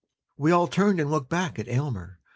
We all turned and looked back at Almer.